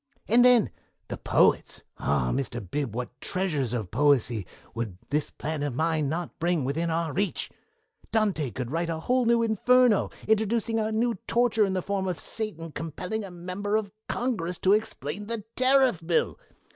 "And then the poets ah, Mr. Bib, what treasures of poesy would this plan of mine not bring within our reach! Dante could write a new 'Inferno' introducing a new torture in the form of Satan compelling a Member of Congress to explain the Tariff bill.